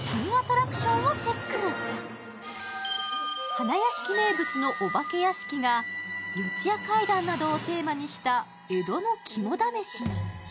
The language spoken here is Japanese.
花やしき名物のお化け屋敷が四谷怪談などをテーマにした江戸の肝試しに。